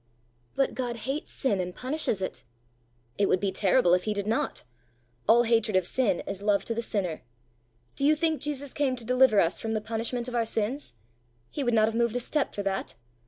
"But God hates sin and punishes it!" "It would be terrible if he did not. All hatred of sin is love to the sinner. Do you think Jesus came to deliver us from the punishment of our sins? He would not have moved a step for that.